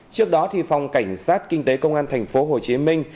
trước đó thì phòng cảnh sát kinh tế công an tp hồ chí minh